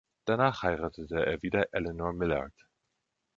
Danach heiratete er wieder Eleanor Millard.